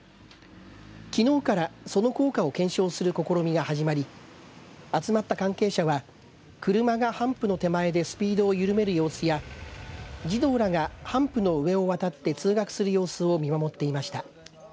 きのうから、その効果を検証する試みが始まり集まった関係者は車がハンプの手前でスピードを緩める様子や児童らが、ハンプの上を渡って通学する様子を見守っていました。